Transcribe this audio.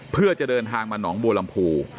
เพื่อจะเดินทางมาหนองบัวลำพู